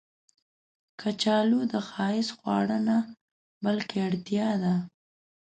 کچالو د ښایست خواړه نه، بلکې اړتیا ده